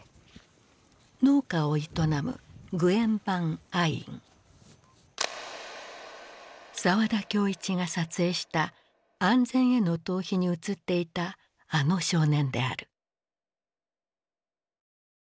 農家を営む沢田教一が撮影した「安全への逃避」に写っていたあの少年である。